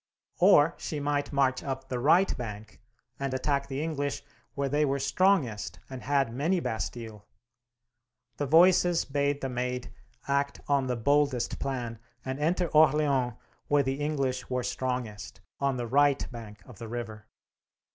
Or she might march up the right bank, and attack the English where they were strongest and had many bastilles. The Voices bade the Maid act on the boldest plan, and enter Orleans, where the English were strongest, on the right bank of the river.